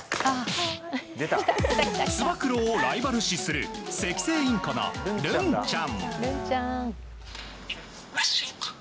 つば九郎をライバル視するセキセイインコの、るんちゃん。